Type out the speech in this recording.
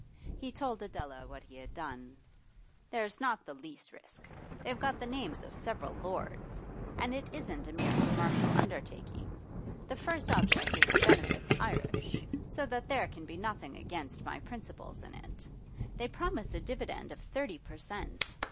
He told Adela what he had done. 'There's not the least risk. They've got the names of several lords! And it isn't a mere commercial undertaking: the first object is to benefit the Irish; so that there can be nothing against my principles in it. They promise a dividend of thirty per cent.